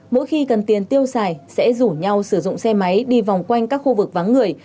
mỗi khi cần tiền tiêu xài sẽ rủ nhau sử dụng xe máy đi vòng quanh các khu vực vắng người